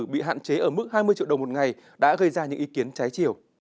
bị hạn chế ở mức hai mươi triệu đồng một ngày đã gây ra những ý kiến trái chiều